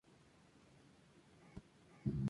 La película recibió buenas críticas.